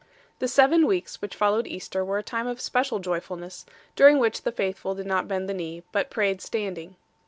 The seven weeks which followed Easter were a time of special joyfulness, during which the faithful did not bend the knee, but prayed standing 8